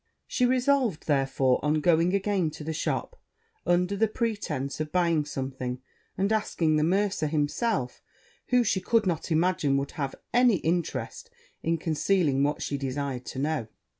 She resolved, therefore, on going again to the shop, under the pretence of buying something, and asking the mercer himself, who she could not imagine would have any interest in concealing what she desired to know.